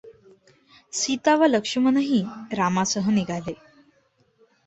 सीता वा लक्ष्मणही रामासह निघाले.